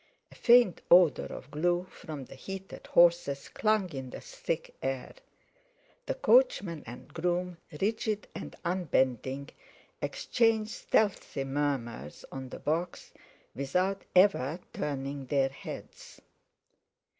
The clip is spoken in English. A faint odour of glue from the heated horses clung in the thick air; the coachman and groom, rigid and unbending, exchanged stealthy murmurs on the box, without ever turning their heads.